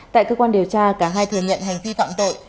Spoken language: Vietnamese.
tại cơ quan điều tra cả hai thừa nhận hành vi phạm tội